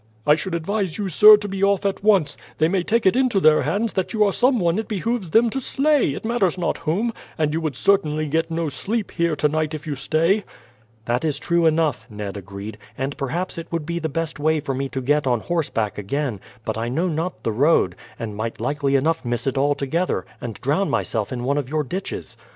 I should advise you, sir, to be off at once. They may take it into their heads that you are some one it behooves them to slay, it matters not whom; and you would certainly get no sleep here tonight if you stay." "That is true enough," Ned agreed; "and perhaps it would be the best way for me to get on horseback again, but I know not the road, and might likely enough miss it altogether, and drown myself in one of your ditches."